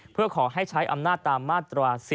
เพื่อขอให้ใช้อำนาจตามมาตรา๔๔